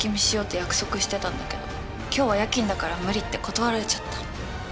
しようって約束してたんだけど「今日は夜勤だから無理」って断られちゃった。